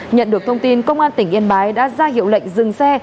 nhận được thông tin công an tỉnh yên bái đã ra hiệu lệnh dừng xe